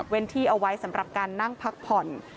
ที่เอาไว้สำหรับการนั่งพักผ่อน